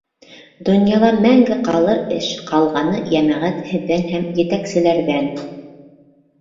Донъяла мәңге ҡалыр эш — Ҡалғаны, йәмәғәт, һеҙҙән һәм етәкселәрҙән.